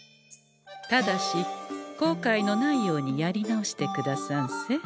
ただしこうかいのないようにやり直してくださんせ。